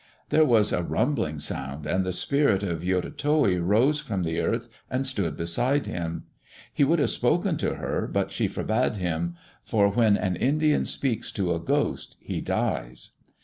There was a rumbling sound and the spirit of Yototowi arose from the earth and stood beside him. He would have spoken to her, but she forbade him, for when an Indian speaks to a ghost he dies.